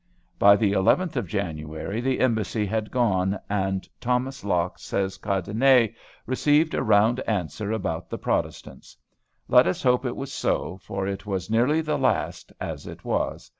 By the eleventh of January the embassy had gone, and Thomas Locke says Cadenet "received a round answer about the Protestants." Let us hope it was so, for it was nearly the last, as it was.